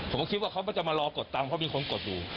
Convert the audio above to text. ผมก็คิดว่าเขาก็จะมารอกดตังค์เพราะมีคนกดอยู่